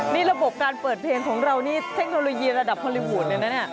นี่ระบบการเปิดเพลงของเรานี่เทคโนโลยีระดับฮอลลีวูดเลยนะเนี่ย